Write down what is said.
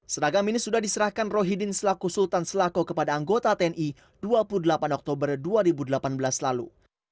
seragam ini sudah diserahkan rohidin selaku sultan selako kepada anggota tni dua puluh delapan oktober dua ribu delapan belas lalu